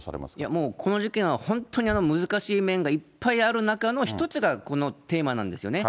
もうこの事件は本当に難しい面がいっぱいある中の１つがこのテーマなんですよね。